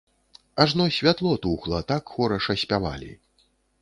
Ажно святло тухла, так хораша спявалі.